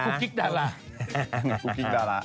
กูกกกลิ๊กดารา